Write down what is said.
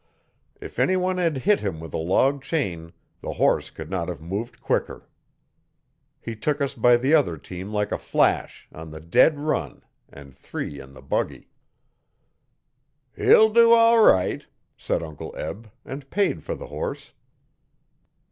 If anyone had hit him with a log chain the horse could not have moved quicker. He took us by the other team like a flash, on the dead run and three in the buggy. 'He'll do all right,' said Uncle Eb, and paid for the horse.